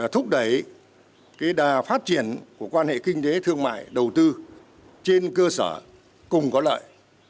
thúc đẩy đà phát triển của quan hệ kinh tế thương mại đầu tư trên cơ sở cùng có lợi